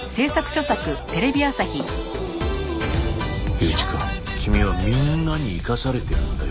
雄一くん君はみんなに生かされてるんだよ。